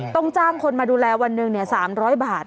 ต้องจ้างคนมาดูแลวันหนึ่ง๓๐๐บาท